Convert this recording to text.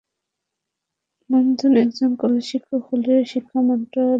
মন্মথ একজন কলেজশিক্ষক হলেও শিক্ষা মন্ত্রণালয়ে তাঁর প্রভাব থাকার বিষয়টি খুবই আলোচিত।